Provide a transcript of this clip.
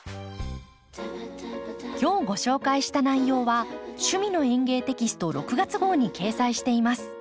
今日ご紹介した内容は「趣味の園芸」テキスト６月号に掲載しています。